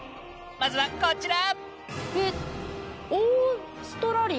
まずはこちら。